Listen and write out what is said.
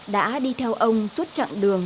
đã đi theo ông suốt chặng đường